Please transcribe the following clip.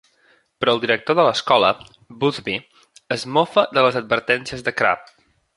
Però el director de l'escola, Boothby, es mofa de les advertències de Crabbe.